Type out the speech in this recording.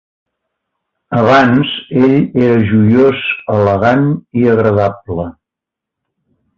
Abans, ell era joiós, elegant i agradable.